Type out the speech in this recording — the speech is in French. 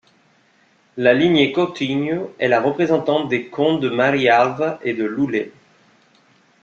La lignée Coutinho est la représentante des comtes de Marialva et de Loulé.